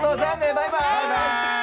バイバーイ！